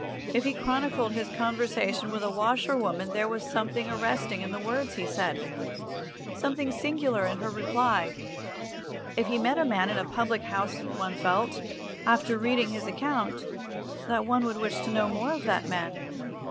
If he chronicled his conversation with a washer woman there was something arresting in the words he said, something singular in her reply. If he met a man in a public house one felt, after reading his account, that one would wish to know more of that man.